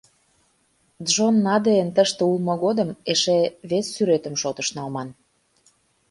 Джон Надейын тыште улмо годым эше вес сӱретым шотыш налман.